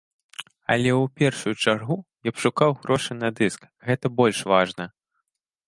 Але ў першую чаргу, я б шукаў грошы на дыск, гэта больш важна.